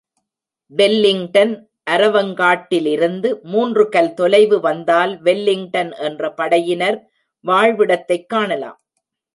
Wellington அரவங்காட்டிலிருந்து மூன்று கல் தொலைவு வந்தால் வெல்லிங்டன் என்ற படையினர் வாழ்விடத்தைக் காணலாம்.